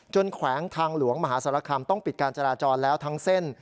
แขวงทางหลวงมหาศาลคำต้องปิดการจราจรแล้วทั้งเส้น